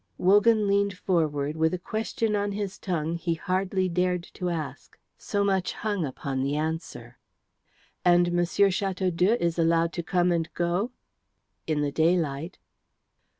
Wogan leaned forward with a question on his tongue he hardly dared to ask. So much hung upon the answer. "And M. Chateaudoux is allowed to come and go?" "In the daylight."